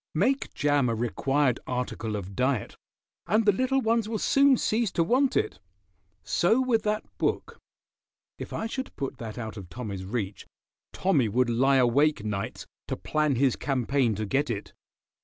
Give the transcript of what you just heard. Make jam a required article of diet and the little ones will soon cease to want it. So with that book. If I should put that out of Tommy's reach, Tommy would lie awake nights to plan his campaign to get it.